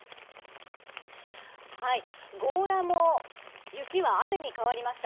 強羅も雪は雨に変わりました。